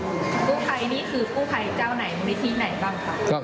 กู้ภัยนี่คือกู้ภัยเจ้าไหนมูลนิธิไหนบ้างคะ